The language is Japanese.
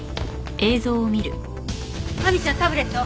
亜美ちゃんタブレット。